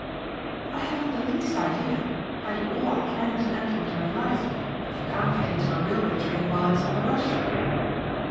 "I haven't the least idea. I do all I can to enter into her life, but you can't get into a railway train while it's on the rush."